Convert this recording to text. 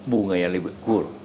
bunga yang lebih kur